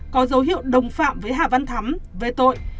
có dấu hiệu đồng phạm với hà văn thắm về tội